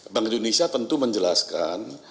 bank indonesia tentu menjelaskan